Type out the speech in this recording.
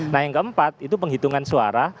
nah yang keempat itu penghitungan suara